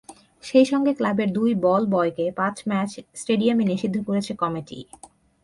সেই সঙ্গে ক্লাবের দুই বল-বয়কে পাঁচ ম্যাচ স্টেডিয়ামে নিষিদ্ধ করেছে কমিটি।